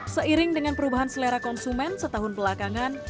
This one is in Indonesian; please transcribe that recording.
seiring dengan perubahan selera konsumen setahun belakangan